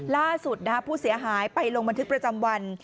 ล่าสุดผู้เสียหายไปลงบันทึกประจำวัน